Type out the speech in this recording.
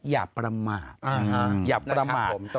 อย่าประมาท